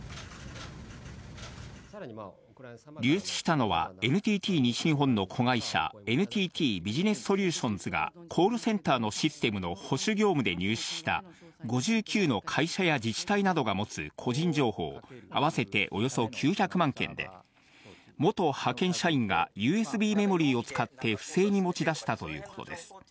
流出したのは、ＮＴＴ西日本の子会社、ＮＴＴビジネスソリューションズが、コールセンターのシステムの保守業務で入手した、５９の会社や自治体などが持つ個人情報、合わせておよそ９００万件で、元派遣社員がＵＳＢメモリーを使って不正に持ち出したということです。